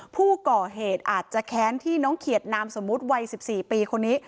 ผู้ก่อเหตุอาจจะแค้นที่น้องเขียดนามสมมุติวัย๑๔ปีคนนี้